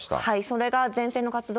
それが前線の活動